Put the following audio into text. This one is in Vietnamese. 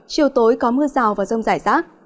chiều tối có mưa rào và rông rải rác